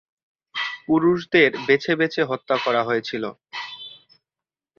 পুরুষদের বেছে বেছে হত্যা করা হয়েছিল।